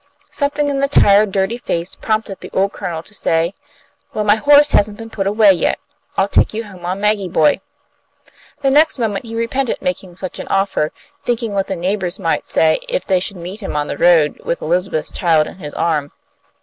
Something in the tired, dirty face prompted the old Colonel to say, "Well, my horse hasn't been put away yet. I'll take you home on Maggie Boy." The next moment he repented making such an offer, thinking what the neighbours might say if they should meet him on the road with Elizabeth's child in his arm.